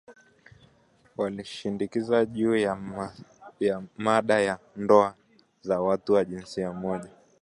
Walimshinikiza juu ya mada ya ndoa za watu wa jinsia moja